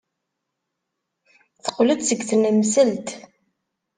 Teqqel-d seg tnemselt.